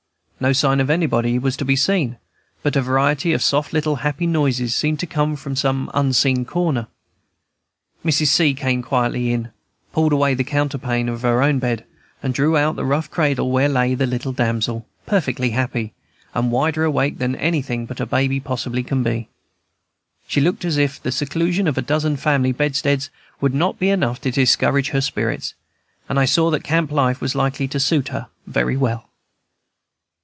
No sign of anybody was to be seen; but a variety of soft little happy noises seemed to come from some unseen corner. Mrs. C. came quietly in, pulled away the counterpane of her own bed, and drew out the rough cradle where lay the little damsel, perfectly happy, and wider awake than anything but a baby possibly can be. She looked as if the seclusion of a dozen family bedsteads would not be enough to discourage her spirits, and I saw that camp life was likely to suit her very well.